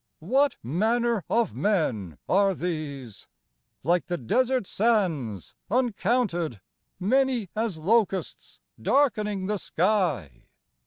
What manner of men are these ? Like the desert sands Uncounted, many as locusts, darkening the sky